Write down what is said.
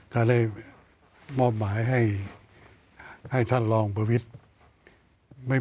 ก็ได้มอบหมายให้ท่านรองประวิทธิ์